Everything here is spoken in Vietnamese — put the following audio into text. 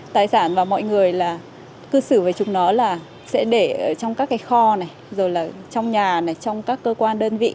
tài sản và mọi người là cư xử với chúng nó là sẽ để trong các cái kho này rồi là trong nhà này trong các cơ quan đơn vị